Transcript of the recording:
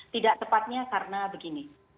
tidak tepatnya karena begini